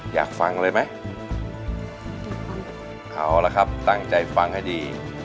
อยากฟังเลยไหมเอาละครับตั้งใจฟังให้ดี